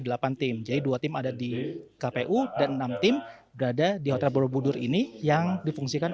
delapan tim jadi dua tim ada di kpu dan enam tim berada di hotel borobudur ini yang difungsikan